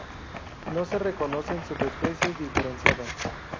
No se reconocen subespecies diferenciadas.